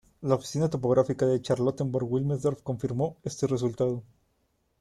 La Oficina Topográfica de Charlottenburg-Wilmersdorf confirmó este resultado.